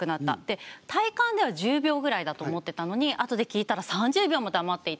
体感では１０秒ぐらいだと思ってたのにあとで聞いたら３０秒も黙っていたんだと。